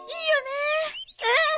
うん！